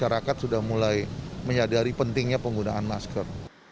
masyarakat sudah mulai menyadari pentingnya penggunaan masker